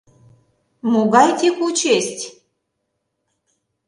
Могай «текучесть?..»